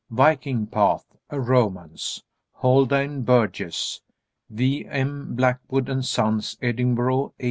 _ "Viking Path, a romance;" Haldane Burgess. _Wm. Blackwood & Sons, Edinburgh, 1894.